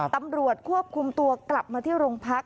ตำรวจควบคุมตัวกลับมาที่โรงพัก